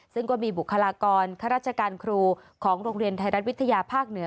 ซึ่งก็มีบุคลากรข้าราชการครูของโรงเรียนไทยรัฐวิทยาภาคเหนือ